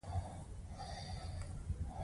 چتونو ته کرۍ ورځ توتکۍ راځي